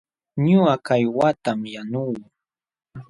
Ñuqa kaywatam yanuu.